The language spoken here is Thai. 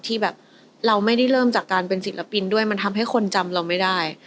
ที่แบบเราไม่ได้เริ่มจากการเป็นศิลปินด้วยมันทำให้คนจำเราไม่ได้